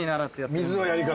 水のやり方。